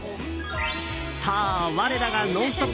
そう、我らが「ノンストップ！」